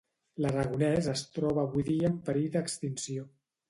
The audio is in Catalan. L'aragonès es troba avui dia en perill d'extinció.